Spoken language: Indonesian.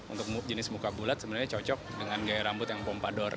untuk jenis muka bulat sebenarnya cocok dengan gaya rambut yang pompador